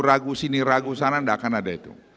ragu sini ragu sana tidak akan ada itu